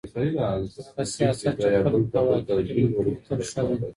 هغه سياست چي خلګو ته واقعي خدمت کوي تل ښه دی.